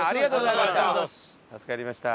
助かりました。